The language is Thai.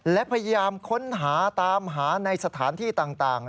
และพยายามค้นหาตามหาในสถานที่ต่าง